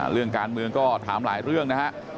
เรื่องการเมืองก็ถามหลายเรื่องนะฮะ